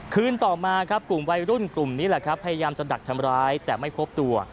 คืนต่อมาครับกลุ่มวัยรุ่นกลุ่มนี้แหละครับพยายามจะดักทำร้ายแต่ไม่พบตัว